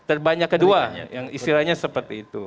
terbanyak kedua yang istilahnya seperti itu